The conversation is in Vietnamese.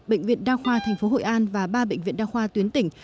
bệnh viện đa khoa tp hội an và ba bệnh viện đa khoa tuyến tỉnh